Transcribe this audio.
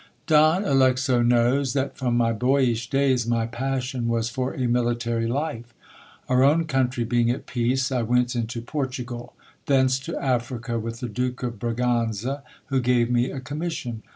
Dow Alexo knows, that from my boyish days, my passion was for a military life. Our own country being at peace, I went into Portugal ; thence to Africa with the Duke of Braganza, who gave me a commission.